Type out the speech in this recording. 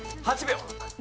８秒。